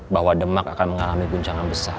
bahwa demak akan mengalami guncangan besar